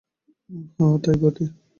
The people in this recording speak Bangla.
হাঁ, তাই বটে।